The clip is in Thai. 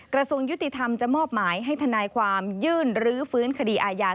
กระทรวงยุติธรรมจะมอบหมายให้ทนายความยื่นรื้อฟื้นคดีอาญา